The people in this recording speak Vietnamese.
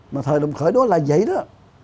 mà thời đồng khởi đó là vậy đó